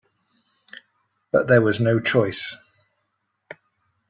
But there was no choice.